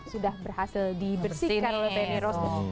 sudah berhasil dibersihkan oleh fanny rose